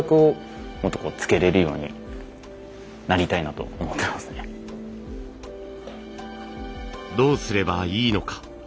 結構どうすればいいのか。